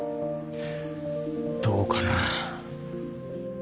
どうかな。